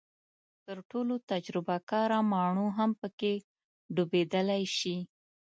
تر ټولو تجربه کاره ماڼو هم پکې ډوبېدلی شي.